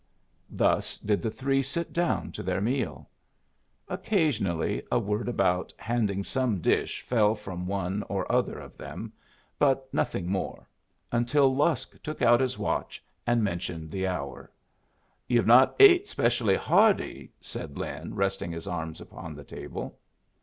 Thus did the three sit down to their meal. Occasionally a word about handing some dish fell from one or other of them, but nothing more, until Lusk took out his watch and mentioned the hour. "Yu've not ate especially hearty," said Lin, resting his arms upon the table.